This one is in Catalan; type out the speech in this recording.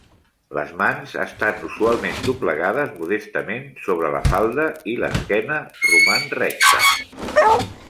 Les mans estan usualment doblegades modestament sobre la falda i l'esquena roman recta.